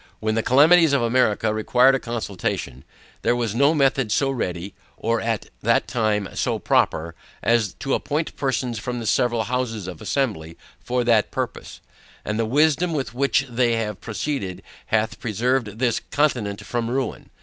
When the calamities of America required a consultation, there was no method so ready, or at that time so proper, as to appoint persons from the several Houses of Assembly for that purpose; and the wisdom with which they have proceeded hath preserved this continent from ruin.